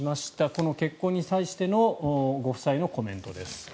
この結婚に際してのご夫妻のコメントです。